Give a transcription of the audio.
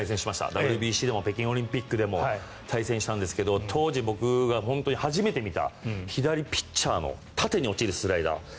ＷＢＣでも北京オリンピックでも対戦したんですけど当時、僕が初めて見た左ピッチャーの縦に落ちるスライダー。